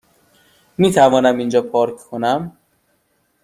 میتوانم اینجا پارک کنم؟